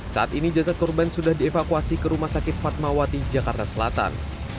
saat ini jasad korban sudah dievakuasi ke rumah sakit fatmawati jakarta selatan